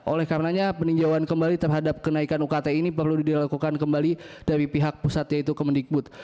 oleh karenanya peninjauan kembali terhadap kenaikan ukt ini perlu dilakukan kembali dari pihak pusat yaitu kemendikbud